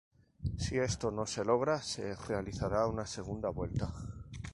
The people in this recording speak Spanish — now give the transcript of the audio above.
Si esto no se logra, se realizará una segunda vuelta.